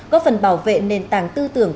góp phần bảo vệ nền tảng tư tưởng